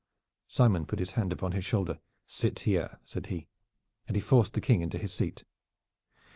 Simon put his hand upon his shoulder. "Sit here!" said he, and he forced the King into his seat.